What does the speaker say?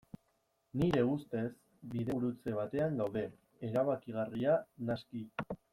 Nire ustez, bidegurutze batean gaude, erabakigarria naski.